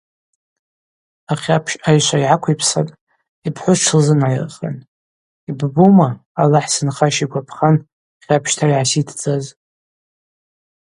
Ахьапщ айшва йгӏаквипсатӏ, йпхӏвыс тшылзынайырхан – Йббума Аллахӏ сынхаща йгвапхан хьапщта йгӏаситдзаз.